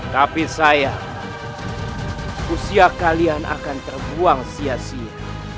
tapi sayang usia kalian akan terbuang sia sia